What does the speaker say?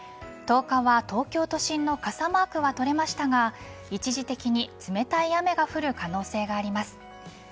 １０日は東京都心の傘マークは取れましたが一時的に冷たい雨が降る可能性があります。